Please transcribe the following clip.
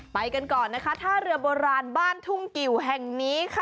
ไปกันก่อนนะคะท่าเรือโบราณบ้านทุ่งกิวแห่งนี้ค่ะ